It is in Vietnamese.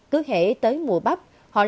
cứ hể tới mùa bắp họ làm